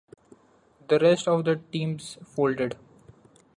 The rest of the teams folded.